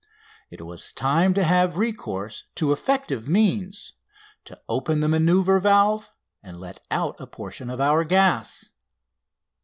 It was time to have recourse to effective means, to open the manoeuvre valve and let out a portion of our gas.